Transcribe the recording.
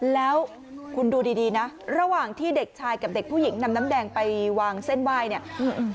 แล้วคุณดูดีดีนะระหว่างที่เด็กชายกับเด็กผู้หญิงนำน้ำแดงไปวางเส้นไหว้เนี่ย